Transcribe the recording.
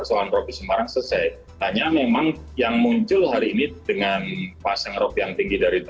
dari adanya banjir rob ini